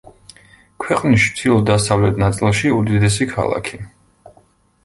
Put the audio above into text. ქვეყნის ჩრდილო-დასავლეთ ნაწილში უდიდესი ქალაქი.